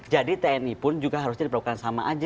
jadi tni pun juga harus jadi perubahan yang sama aja